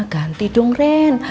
ganti dong ren